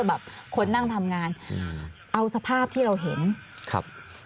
สามารถรู้ได้เลยเหรอคะ